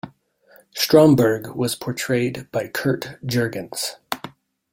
Stromberg was portrayed by Curt Jurgens.